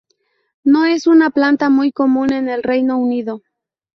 No es una planta muy común en el Reino Unido.